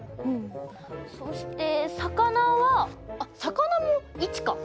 そして魚はあっ魚も１か。